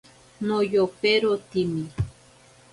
Noyoperotimi.